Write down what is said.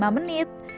masak selama lima menit